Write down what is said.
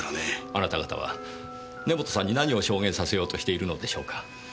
あなた方は根元さんに何を証言させようとしているのでしょうか？